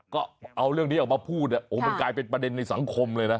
ก็เอาเรื่องนี้ออกมาพูดโอ้มันกลายเป็นประเด็นในสังคมเลยนะ